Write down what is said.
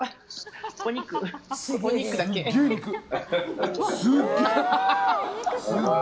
お肉だけ。